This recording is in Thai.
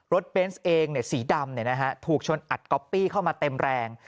เบนส์เองสีดำถูกชนอัดก๊อปปี้เข้ามาเต็มแรง